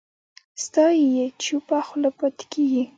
ستایي یې چوپه خوله پاتې کېږي